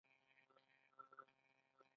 آیا شفاعت حق دی؟